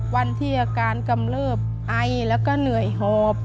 วันที่อาการกำเลิบไอแล้วก็เหนื่อยหอบ